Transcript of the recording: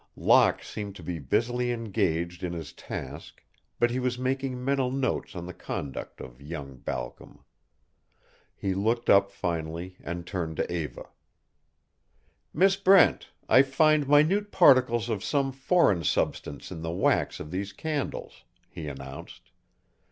Locke seemed to be busily engaged in his task, but he was making mental notes on the conduct of young Balcom. He looked up finally and turned to Eva. "Miss Brent, I find minute particles of some foreign substance in the wax of these candles," he announced.